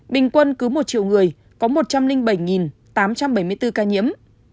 bình quân cứ một triệu người có một trăm linh bảy tám trăm bảy mươi bốn ca nhiễm